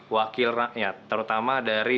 wakil rakyat terutama dari